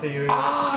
ああ！